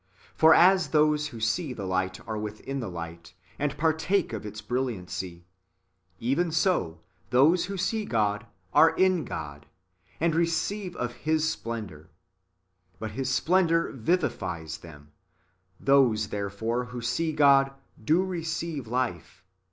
For as those who see the lio; ht are within the lio ht, and partake of its brilliancy ; even so, those wdio see God are in God, and receive of His splendour. But [His] splen dour vivifies them ; those, therefore, who see God, do receive life.